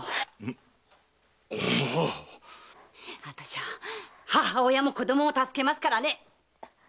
あたしゃ母親も子供も助けますからね！